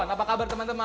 apa kabar teman teman